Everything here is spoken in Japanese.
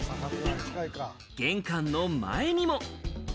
玄関の前にも。